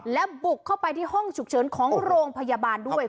และบุกเข้าไปที่ห้องฉุกเฉินของโรงพยาบาลด้วย